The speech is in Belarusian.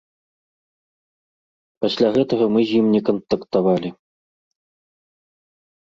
Пасля гэтага мы з ім не кантактавалі.